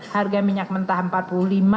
harga minyak mentah rp empat puluh lima